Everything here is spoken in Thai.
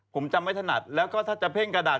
ผมจำไม่ถนัดแล้วก็ถ้าจะเพ่งกระดาษ